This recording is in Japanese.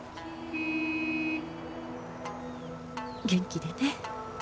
元気でね。